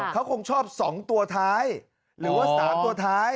เขาคงชอบ๒ตัวท้ายหรือว่า๓ตัวท้าย